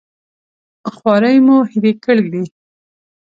خوارۍ مو هېرې کړلې.